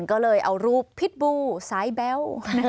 ก็เลยเอารูปพิษบูสายแบ๊ว